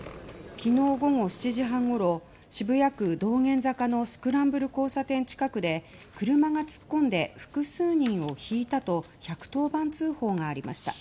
昨日午後７時半ごろ渋谷区道玄坂のスクランブル交差点近くで車が突っ込んで複数人をひいたと１１０番通報がありました。